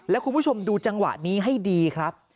แล้วคุณผู้ชมดูจังหวะนี้ให้ดีครับ